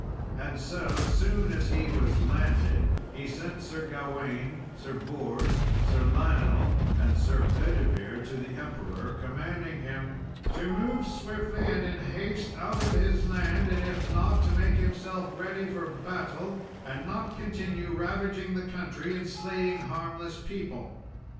And so soon as he was landed, he sent Sir Gawain, Sir Bors, Sir Lionel, and Sir Bedivere to the Emperor, commanding him "to move swiftly and in haste out of his land, and, if not, to make himself ready for battle, and not continue ravaging the country and slaying harmless people."